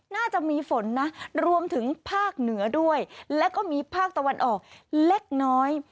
น่าจะมีฝนนะรวมถึงภาคเหนือด้วยแล้วก็มีภาคตะวันออกเล็กน้อย